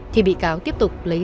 thì bị cáo tiếp tục lấy ra